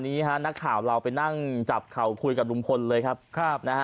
นี้นักข่าวเราไปนั่งจับเขาคุยกับลุมพลเลยครับ